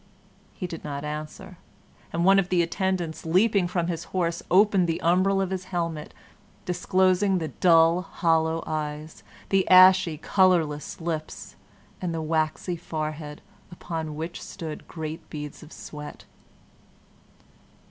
He did not answer, and one of the attendants, leaping from his horse, opened the umbril of his helmet, disclosing the dull, hollow eyes, the ashy, colorless lips, and the waxy forehead, upon which stood great beads of sweat.